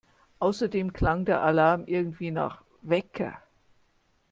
Außerdem klang der Alarm irgendwie nach … Wecker!